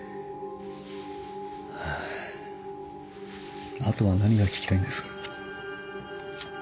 ハァあとは何が聞きたいんです？